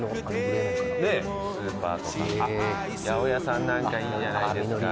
スーパーとか八百屋さんなんかいいんじゃないですか？